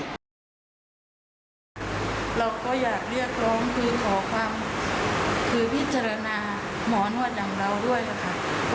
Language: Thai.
เราก็อยากเรียกร้องคือขอความคือพิจารณาหมอนวดอย่างเราด้วยค่ะ